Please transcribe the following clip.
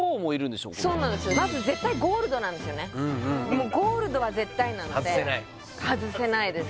もうゴールドは絶対なので外せない外せないです